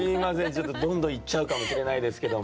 ちょっとどんどんいっちゃうかもしれないですけども。